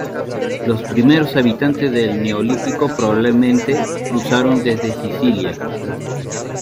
Los primeros habitantes del Neolítico probablemente cruzaron desde Sicilia.